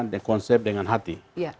dan konsep dengan hati